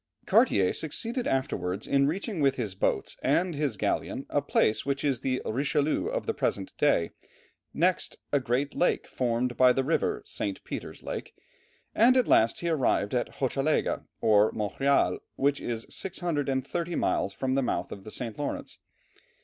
Cartier succeeded afterwards in reaching with his boats and his galleon a place which is the Richelieu of the present day, next, a great lake formed by the river St. Peter's Lake and at last he arrived at Hochelaga or Montreal, which is 630 miles from the mouth of the St. Lawrence.